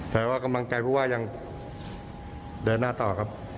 แต่ว่ากำลังใจผู้ว่ายังเดินหน้าต่อครับ